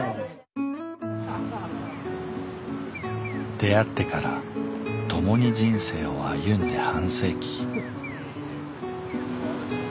出会ってからともに人生を歩んで半世紀。